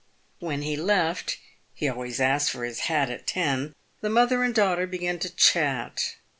"When he left — he always asked for his hat at ten — the mother and daughter began to chat.